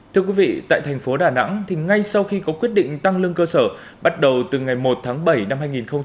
thưa quý vị tại thành phố đà nẵng thì ngay sau khi có quyết định tăng lương cơ sở bắt đầu từ ngày một tháng bảy năm hai nghìn hai mươi